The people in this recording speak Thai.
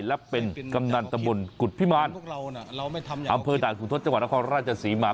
และเป็นกำนันตะบนกุฎพิมารอำเภอด่านขุนทศจังหวัดนครราชศรีมา